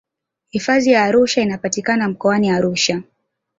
hifadhi ya arusha inapatikana mkoani arusha